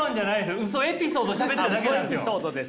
ウソエピソードしゃべっただけなんですよ。